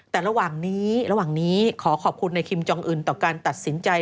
แต่ระหว่างนี้ระหว่างนี้ขอขอบคุณในคิมจองอื่นต่อการตัดสินใจ